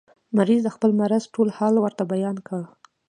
مریض د خپل مرض ټول حال ورته بیان کړ.